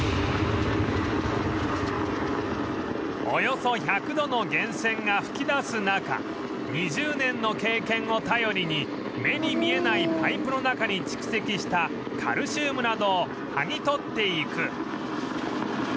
およそ１００度の源泉が噴き出す中２０年の経験を頼りに目に見えないパイプの中に蓄積したカルシウムなどを剥ぎ取っていく